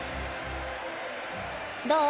どう？